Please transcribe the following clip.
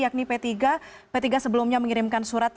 dan negara kesatuan republik indonesia